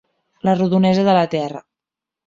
La rodonesa de la Terra.